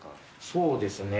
そうですね。